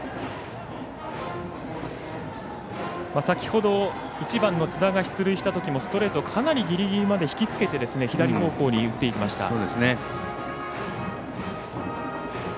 先ほど１番の津田が出塁したときもストレート、かなりギリギリまで引きつけて左方向に打っていきました。